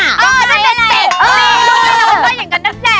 ก็เป็นเพื่อนเราป๊ะ